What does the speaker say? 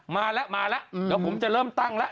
มาแล้วเดี๋ยวผมจะเริ่มตั้งแล้ว